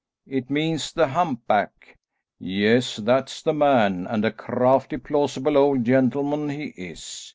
"It means the humpback." "Yes, that's the man, and a crafty plausible old gentleman he is.